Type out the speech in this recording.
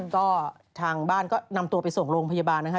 ก็ทางบ้านก็นำตัวไปส่งโรงพยาบาลนะฮะ